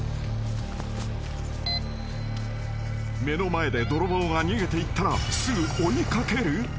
［目の前で泥棒が逃げていったらすぐ追い掛ける？］